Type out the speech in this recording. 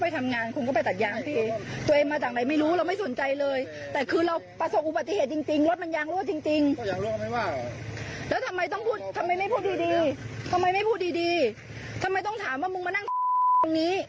ทำไมไม่พูดดีทำไมต้องถามว่ามึงมานั่งตรงนี้